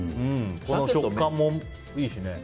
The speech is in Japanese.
食感もいいしね。